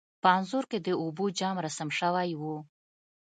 په انځور کې د اوبو جام رسم شوی و.